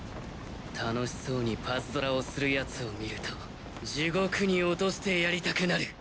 楽しそうにパズドラをするヤツを見ると地獄に落としてやりたくなる。